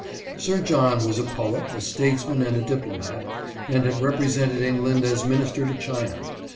Sir John was a poet, a statesman, and a diplomat, and had represented England as minister to China.